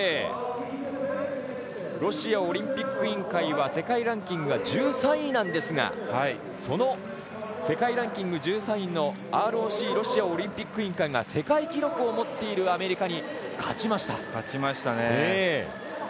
ロシアオリンピック委員会は世界ランキングは１３位なんですがその世界ランキング１３位のＲＯＣ＝ロシアオリンピック委員会が世界記録を持っているアメリカに勝ちました。